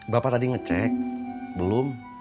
bapak tadi ngecek belum